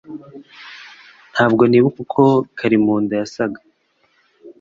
Ntabwo nibuka uko Karimunda yasaga